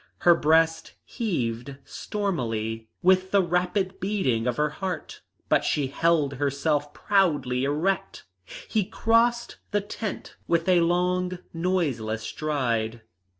Her breast heaved stormily with the rapid beating of her heart, but she held herself proudly erect. He crossed the tent with a long noiseless stride.